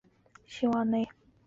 西尔瓦内。